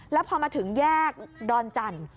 แล้วพอมาถึงแยกดอนจันทร์